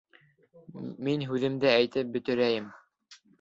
Мин һүҙемде әйтеп бөтөрәйем.